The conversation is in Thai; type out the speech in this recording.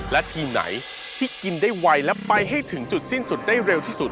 และทีมไหนที่กินได้ไวและไปให้ถึงจุดสิ้นสุดได้เร็วที่สุด